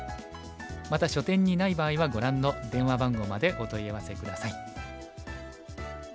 また書店にない場合はご覧の電話番号までお問い合わせ下さい。